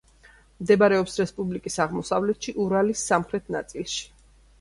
მდებარეობს რესპუბლიკის აღმოსავლეთში, ურალის სამხრეთ ნაწილში.